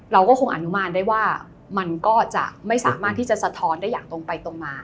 เราก็คงอนุมานได้ว่ามันก็จะไม่สามารถที่จะสะท้อนได้อย่างตรงไปตรงมา